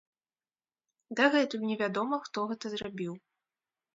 Дагэтуль невядома, хто гэта зрабіў.